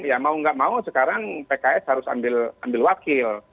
ya mau nggak mau sekarang pks harus ambil wakil